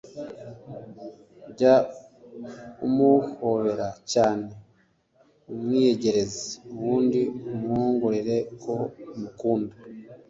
jya umuhobera cyane umwiyegereze, ubundi umwongorere ko umukunda.